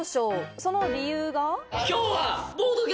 その理由が。